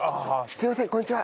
すいませんこんにちは。